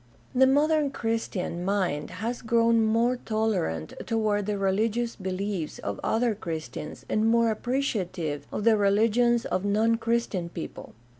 — The modern Christian mind has grown more tolerant toward the rehgious beliefs of other Christians and more appreciative of the religions of non Christian people.